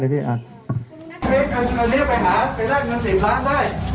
พี่เรียกไปหาไปได้เงิน๑๐ล้านได้